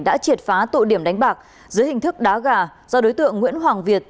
đã triệt phá tụ điểm đánh bạc dưới hình thức đá gà do đối tượng nguyễn hoàng việt